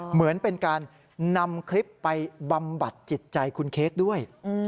เหมือนเป็นการนำคลิปไปบำบัดจิตใจคุณเค้กด้วย